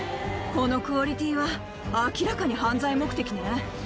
このクオリティーは明らかに犯罪目的ね。